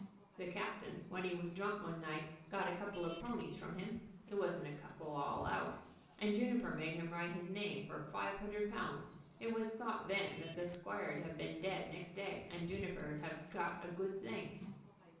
"The captain, when he was drunk one night, got a couple of ponies from him. It wasn't a couple all out. And Juniper made him write his name for five hundred pounds. It was thought then that the squire 'd have been dead next day, and Juniper 'd 've got a good thing."'